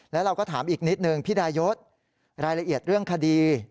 แล้วเราก็ถามอีกนิดนึงพี่ดายศรายละเอียดเรื่องคดี